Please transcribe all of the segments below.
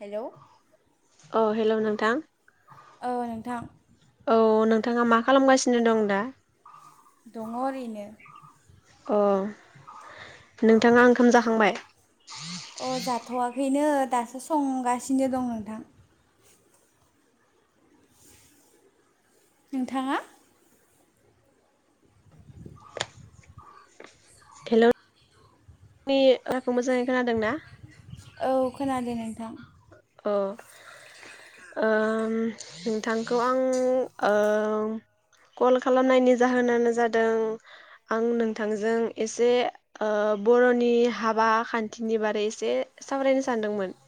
Hello औ hello नोंथां ओ नोंथां अ नोंथाङा मा खालामगासिनो दं दा? दङ ओरैनो अ नोंथाङा ओंखाम जाखांबाय अ जाथवाखैनो दासो संगासिनो दं नोंथां नोंथाङा हेलौ आंनि रावखौ मोजाङै खोनादों ना? औ खोनादों नोंथां अ ओ नोंथांखौ आं ओ कल खालामनायनि जाहोनानो जादों आं नोंथांजों एसे ओ बरनि हाबा खान्थिनि बारै एसे सावरायनो सानदोंमोन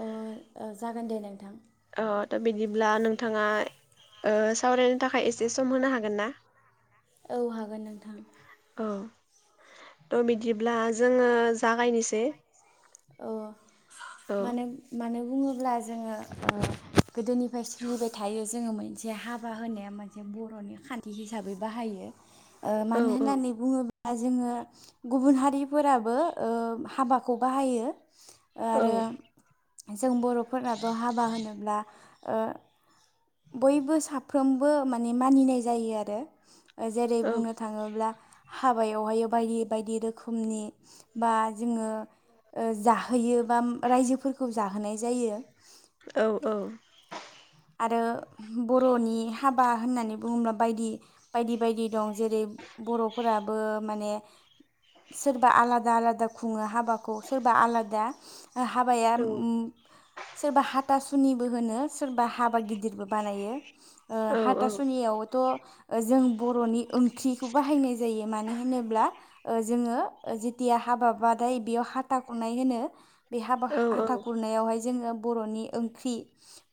अ जागोन दे नोंथां अ थबिदिब्ला नोंथाङा ओ सावरायनो थाखाय एसे सम होनो हागोन ना? औ हागोन नोंथां औ थ बिदिब्ला जोङो जागायनोसै अ औ मानो मानो बुङो ब्ला जोङो ओ गोदोनिफ्राय सोलिबाय थायो जोङो मोनसे हाबा होनाया मोनसे बरनि खान्थि हिसाबै बाहायो ओ औ मानो औ होननानै बुङो जोङो गुबुन हारिफोराबो ओ हाबाखौ बाहायो। [unintelligible] ओ औ आरो जों बरफोरनाथ हाबा होनोब्ला ओ बयबो साफ्रोमबो माने मानिनाय जायो आरो जेरै औ बुंनो थाङोब्ला हाबायावहायो बायदि बायदि रोखोमनि बा जोङो ओ जाहोयो बा रायजोफोरखौ जाहोनाय जायो। औ औ आरो बरनि हाबा होननानै बुङोब्ला बायदि बायदि बायदि दं जेरै बरफोरा बो माने सोरबा आलादा आलादा खुङो हाबाखौ सोरबा आलादा हाबाया औ उम सोरबा हाथा सु सुनिबो होनो सोरबा हाबा गिदिरबो बानायो ओ औ हाथासुनियाव थ जों बरनि ओंख्रिखौ बाहायनाय जायो मानो होनोब्ला ओ जोङो जिथिया हाबा बाथाय बेयाव हाथा खुरनाय होनो। बे हाबा औ औ हाथा खुरनायावहाय जोङो बर'नि ओंख्रि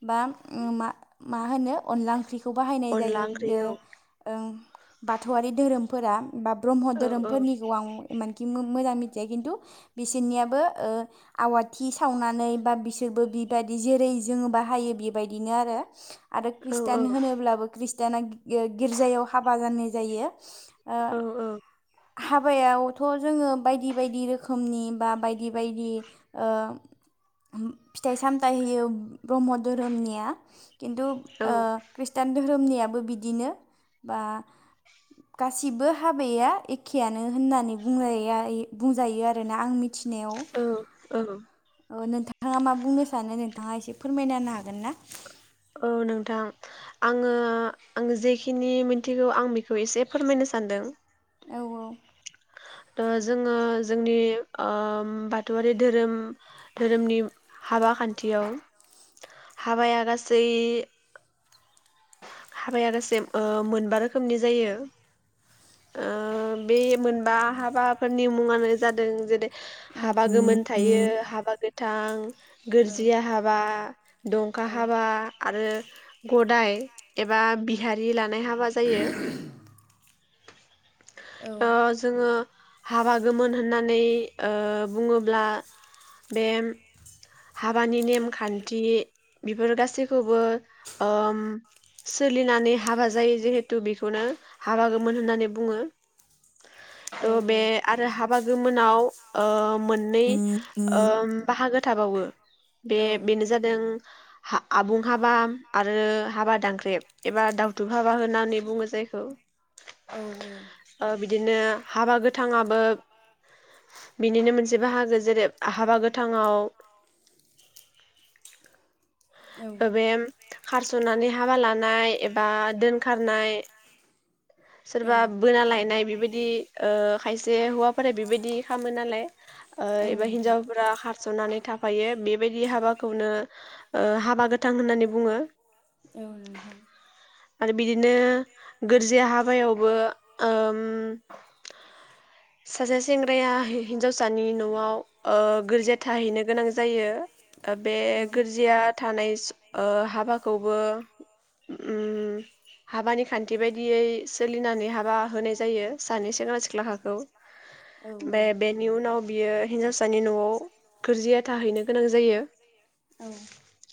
बा उम मा मा होनो अनला ओंख्रिखौ बाहायनाय अनला जायो ओंख्रि ओ औ ओं बाथौआरि धोरोम फोरा। बा ब्रह्म औ औ धोरोमफोरनिखौ आं इमानखि मोम मोजां मिथिया खिन्थु बिसोरनियाबो ओ आवाथि सावनानै बा बिसोरबो बिबायदि जेरै जोङो बाहायो बि बेबायदिनो आरो। आरो औ औ खृष्टान होनोब्लाबो खृष्ट [unintelligible] गिर्जायाव हाबा जानाय जायो। औ औ। हाबायावथ' जोङो बायदि बायदि रोखोमनि बा बायदि बायदि ओ फिथाइ-सामथाइ होयो ब्रह्म धोरोमनिया किन्तु औ ओ ख्रिस्तान धोरोमनि याबो बिदिनो बा गासैबो हाबाया एखेयानो होननानै बुंनाया बुंजायो आरो ना आं मिथिनायाव औ ओ नोंथाङा मा बुंनो सानो नो? नोंथाङा एसे फोरमायना होनो हागोन हागोन ना? औ नोंथां आङो आङो जेखिनि मिथिगौ आं बेखौ एसे फोरमायनो सानदों। औ औ। थ' जोङो जोंनि ओ बाथौआरि धोरोम धोरोमनि हाबा खान्थियाव हाबाया गासै हाबाया गासै ओ मोनबा रोखोमनि जायो ओ बे मोनबा हाबाफोरनि मुङानो जादों जेरै हाबा गोमोन थायो हाबा गो थां गोरजिया हाबा दंखा हाबा आरो गदाय एबा बिहारि ला नाय हाबा जायो। ओ जोङो हाबा गोमोन होननानै ओ बुङोब्ला बे हाबानि नेमखान्थि बेफोर गासैखौबो ओम सोलिनानै हाबा जायो जिहेथु बेखौनो हाबा गोमोन होननानै बुङो। थ' बे आरो हाब बा गोमोनाव ओ मोननै ओ बाहागो थाबावो। बे बेनो जादों हा आबुं हाबा आरो हाबा दांनख्रेब एबा दावथुब हाबा होननानै बुङो जायखौ। औ औ ओ बिदिनो हाबा गोथाङाबो बिनिनो मोनसे बाहागो जेरै हाबा गोथाङाव [unintelligible] खारसनानै हाबा लानाय एबा दोनखारनाय। सोरबा बोना लायनाय बेबायदि ओ खायसे हौवाफोरा बेबायदि खामो नालाय। ओ एबा हिन्जावफोरा खार जनानै थाफायो बेबायदि हाबाखौनो ओ हाबा गोथां होननानै बुङो औ नोंथां आरो बिदिनो गोरजिया बायावबो ओम [unintelligible] सासे सेंग्राया हि हिन्जावसानि न'आव ओ गोरजिया थाहैनो गोनां जायो बे गोरजिया थानाय हाबाखौबो हाबानि खान्थि बायदियै सोलिनानै हाबा होनाय जायो सानै सेंग्रा सिख्लाखाखौ बे बेनि उनाव बियो हिनजावसानि न'आव गोरजिया थाहैनो गोनां जायो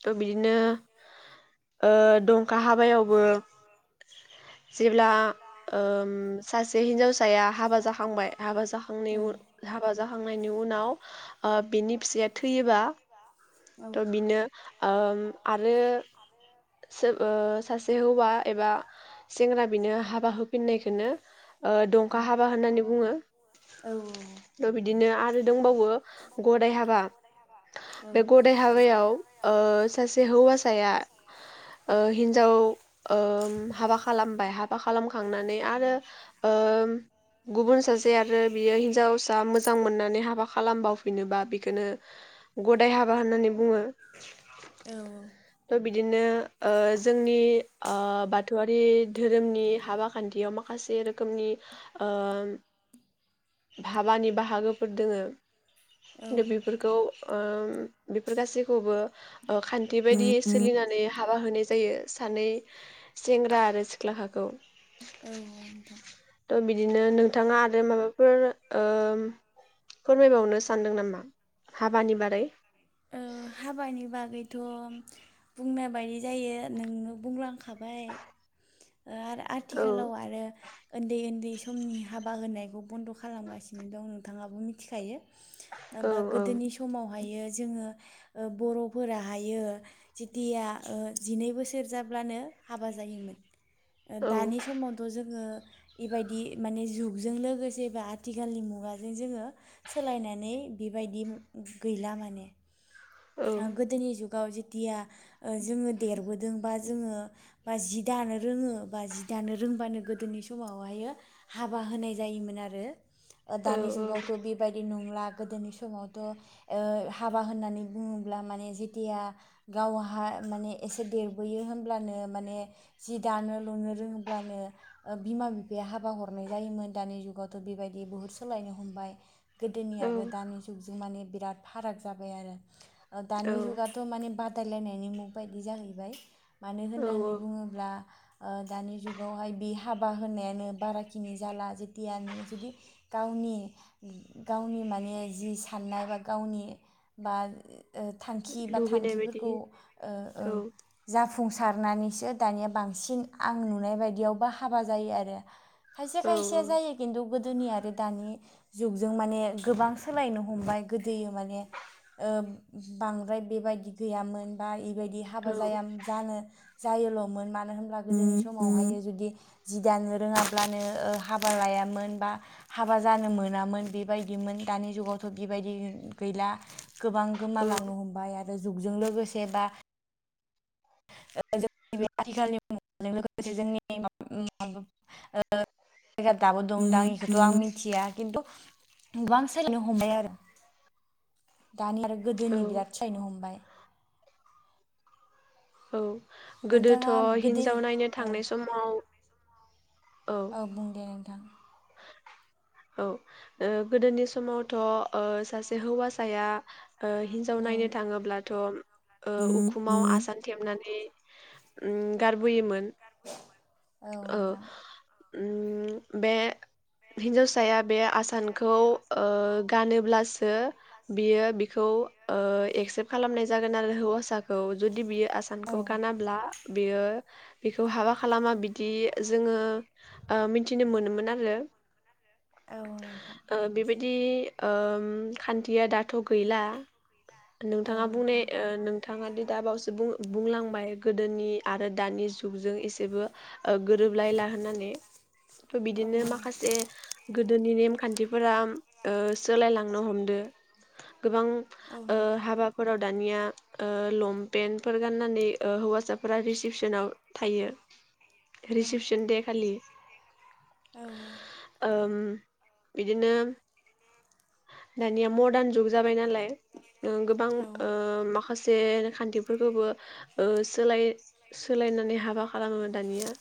थ बिदिनो [unintelligible] खा हाबायावबो जेब्ला ओम सासे हिनजाव या हाबा जाखांबाय हाबा जाखांनाय उन हाबा जाखांनाय खांनायनि उनाव ओ बिनि फिसाया थैयोबा थ' बिनो ओम आरो सासे हौवा एबा सेंग्रा बेनो हाबा होफिननायखौनो दंखा हाबा होननानै बुङो थ' बिदिनो आरो दंबावो बो गदाय हाबा बे गदाय हाबायाव सासे हौवासाया ओ हिन्जाव हाबा खालामबाय हाबा खालामखांनानै आरो गुबुन सासे आरो बियो हिन्जावसा मोजां मोननानै हाबा खालामबावफिनोबा बिखोनो गदाय हाबा होननानै बुङो बिदिनो ओ जोंनि बाथौआरि धोरोमनि हाबा खान्थियाव माखासे रोखोमनि ओम हाबानि बाहागोफोर दङ दे बेफोरखौ ओम उम बेफोर गासैखौबो खान्थि बायदि सो सोलिनानै हाबा होनाय जायो सानै सेंग्रा आरो सिख्लाखाखौ। औ औ नोंथां। थ' बिदिनो नोंथाङा आरो माबाफोर ओ फोरमायबावनो सानदों नामा हाबानि बारै? ओ हाबानि बागै थ' बुंनाय बायदि जायो नोंनो बुंलांखाबाय। ओ औ आथिखालाव आरो उन्दै उन्दै हाबा होनायखौ बन्द' खालामगासिनो दं नोंथाङाबो मिथिखायो। औ बा औ गोदोनि समाव हायो। जोङो ओ बर'फोरा हायो जेथिया ओ जिनै बोसोर जाब्लानो हाबा जायोमोन। औ दानि समावथ' जोङो बेबायदि माने जुगजों लोगोसे बा आथिखालनि मुगाजों जोङो सोलायनानै बेबायदि गैला माने ओ गोदोनि जुग औ जेथिया ओ जोङो देरबोदों बा जोङो बा जि दानो रोङो बा जि दानो रोंबानो गोदोनि समावहाय हाबा होनाय जायोमोन आरो। ओ औ दानि जुगावथ' बेबायदि नङ ला गोदोनि समावथ' ओ हाबा होननानै बुङोब्ला माने जेथिया गावहा माने एसे देरबोयो होनब्लानो माने जि दानो लुनो रोङोब्लानो बिमा बिफाया हाबा हरनाय जायोमोन दानि जुगावथ' बेबायदि बहुद सोलायनो हमबाय। गोदोनि औ आरो दानि जुगजों माने बिराद फाराग जाबाय आरो। औ दानि जुगाथ' माने बाद बादायलायनायनि मुग बायदि जाहैबाय। मानो औ होननानै औ बुङोब्ला ओ दानि जुगावहाय बे हाबा होनायानो बाराखिनि जाला जेथिया नों जुदि गावनि गावनि माने जि साननाय बा गावनि बा ओ थांखि बा लुबैनाय बायदि थांखिफोरखौ ओ ओ औ जाफुं जाफुंसारनानैसो दानिया बांसिन आं नुनाय बायदियावबा हाबा जायो आरो। खायसे औ खायसेया जायो खिन्थु गोदो गोदोनि आरो दानि जुगजों माने गोबां सोलायनो हमबाय गोदोयो माने ओ बांद्राय बेबायदि गैयामोन बा लि बेबायदि हाबा औ जाया जानो जायोल'मोन मानो होनब्ला गोदोनि समावहाय जुदि जि दानो रोङाब्लानो ओ हाबा लायामोन बा हाबा जानो मोनामोन बेबायदिमोन दानि जुगावथ' बिबायदि गैला। गोबां औ गोमालांनो हमबाय आरो। जुगजों लोगोसे बा जों बे आथिखालनि मुगाजों लोगोसे जोंनि जायगायाव दाबो दं दां बिखौथ' आं मिथिया खिन्थु गोबां सोलायनो हमबाय आरो दानि आरो औ गोदोनि बिराद सोलायनो हमबाय औ। गोदोथ' हिनजाव नायनो थांनाय समाव औ बुं दे नोंथां औ उह गोदोनि समावथ' उह सासे हौवासाया ओ हिन्जाव नायनो थाङोब्लाथ थ' ओ उखुमाव आसान थेबनानै ओम गारबोयोमोन [unintelligible] औ नोंथां। ओम बे हिन्जावसाया बे आसानखौ ओ गानोब्लासो बियो बिखौ ओ एक्सेप्ट खालामनाय जागोन आरो हौवासाखौ जुदि बियो आसानखौ गानाब्ला बियो बेखौ हाबा खालामा बिदि जोङो ओ मिनथिनो मोनोमोन आरो औ नोंथां। दि ओम खान्थिया दाथ' गैला नोंथाङा बुंनाय ओ नोंथाङा दि दा बावैसो बुं बुंलांबाय गोदोनि आरो दानि जुगजों एसेबो ओ गोरोबलायला होननानै थ' बिदिनो माखासे गोदोनि नेम खान्थिफोरा ओ सोलायलांनो हमदो गोबां ओ हाबाफोराव दानिया ओ लमपेेनफोर गाननानै ओ हौवासाफोरा रिसिपसनाव थायो रिसिपसन दे खालि औ-औ ओम बिदिनो दानिया मरदान जुग जाबाय नालाय ओं गोबां ओ माखासे खान्थिफोरखौबो ओ सोलाय सोलायनानै हाबा खालामो दानिया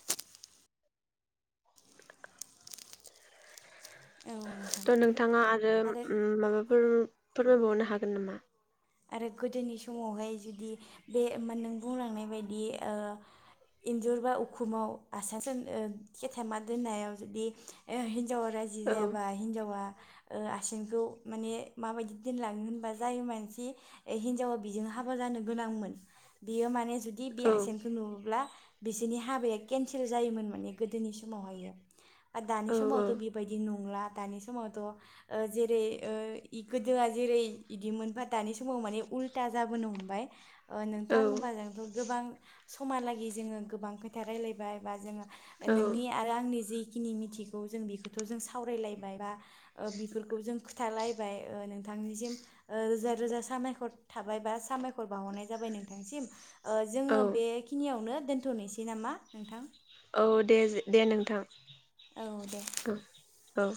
थ' नोंथाङा आरो ओम माबाफोर फोरमायबावनो हागोन नामा? आरो गोदोनि समावहाय जुदि बे मा नों बुंलांनाय बायदि ओ इन्जुर बा उखुमाव आसासोन ओ केेथामा दोननायाव जुदि ओ हि जावा राजि औ जायाबा हिनजावा ओ आसिंखौ माने माबायदि दोनलाङो होनबा जायो मानसि ओइ हिनजावा बिजों हाबा जानो गोनांमोन बियो माने जुदि बि औ आसेनखो नुओब्ला बिसोरनि हाबाया केन्सेल जायोमोन माने गोदोनि समावहायो। आ दानि औ औ समावथ' बेबायदि नंला। दानि समावथ' ओ जेरै ओ इ गोदोआ जेरै इदिमोन बा दानि स समाव माने उल्था जाबोनो हमबाय। ओ औ नोंथां होमबा जोंथ' गोबां समालागै जोङो गोबां खोथा रायलायबाय बा जोङो औ नोंनि आरो आंनि जि खिनि मिथिगौ जों बेखौथ' सावरालायबाय बा ओ बेफोरखौ जों खिथालायबाय ओ नोंथांनिसिम रोजा रोजा सा सामायख'र थाबायबा सामायखर बाहरनाय जाबाय नोंथांसिम। ओ औ जोङो बेखिनियावनो दोनथ'नोसै नामा नोंथां? औ देज दे नोंथां। औ दे। औ औ।